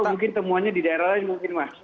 atau mungkin temuannya di daerah lain mungkin mas